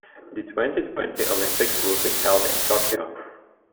The twenty-twenty Olympics will be held in Tokyo.